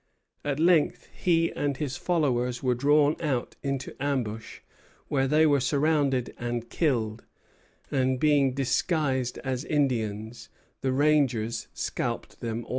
At length he and his followers were drawn out into an ambush, where they were surrounded and killed; and, being disguised as Indians, the rangers scalped them all.